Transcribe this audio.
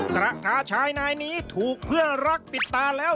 กระทาชายนายนี้ถูกเพื่อนรักปิดตาแล้ว